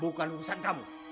bukan urusan kamu